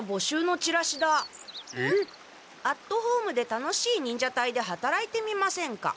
アットホームで楽しい忍者隊ではたらいてみませんか？